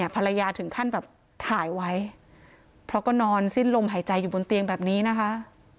ภรรยาถึงขั้นแบบถ่ายไว้เพราะก็นอนสิ้นลมหายใจอยู่บนเตียงแบบนี้นะคะ